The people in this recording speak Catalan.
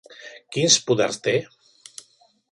Quins poders té?